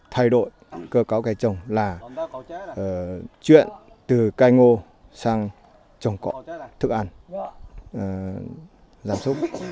thay đổi cơ cấu cây trồng là chuyện từ cây ngô sang trồng cọ thức ăn giảm súc